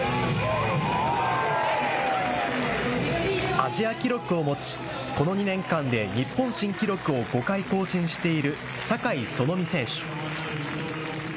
アジア記録を持ち、この２年間で日本新記録を５回更新している酒井園実選手。